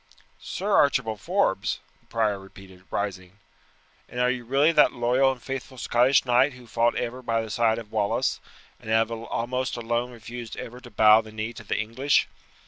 "Sir Archibald Forbes!" the prior repeated, rising; "and are you really that loyal and faithful Scottish knight who fought ever by the side of Wallace, and have almost alone refused ever to bow the knee to the English?